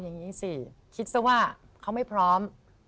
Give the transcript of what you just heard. นี่สิคิดว่าเขาไม่พร้อม